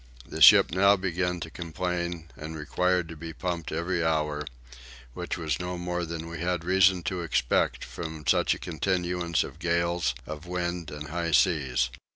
The ship now began to complain and required to be pumped every hour; which was no more than we had reason to expect from such a continuance of gales of wind and high seas.